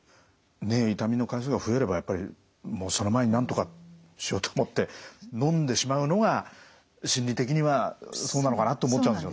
痛みの回数が増えればやっぱりその前になんとかしようと思ってのんでしまうのが心理的にはそうなのかなと思っちゃうんですよね。